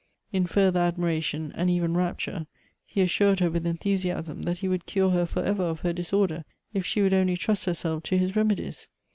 In further admiration and even rapture, he assured her with enthusiasm that he would cure her for ever of her disorder, if she would only trust herself to his remedies.